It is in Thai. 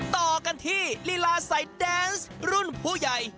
ต่อกันที่ลีลาใส่แดนส์รุ่นผู้ใหญ่